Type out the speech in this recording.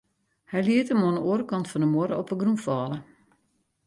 Hy liet him oan 'e oare kant fan de muorre op 'e grûn falle.